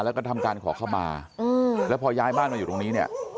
แล้วก็ทำการขอเข้ามาแล้วพอย้ายบ้านมาอยู่ตรงนี้เนี่ย